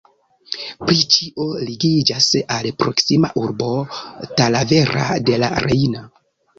Pri ĉio ligiĝas al proksima urbo Talavera de la Reina.